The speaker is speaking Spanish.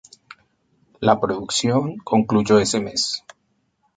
La producción concluyó ese mes.